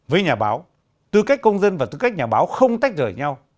với nhà báo tư cách công dân và tư cách nhà báo không tách rời nhau